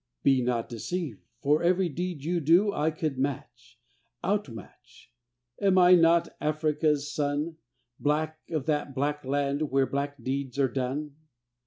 Be not deceived, for every deed you do I could match out match: am I not Africa's son, Black of that black land where black deeds are done?